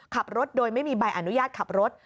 ขับรถโดยไม่มีใบอนุญาตขับรถ